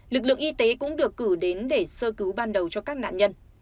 lực lượng y tế cũng được cử đến để sơ cứu ban đầu cho các nạn nhân